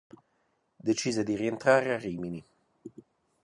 Decise di rientrare a Rimini.